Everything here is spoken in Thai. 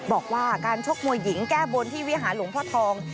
บอกว่าการชกมวยหญิงแก้บนที่วิหารหลวงพ่อทอง